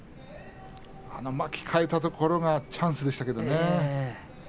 巻き替えたところがチャンスでしたけれどもね。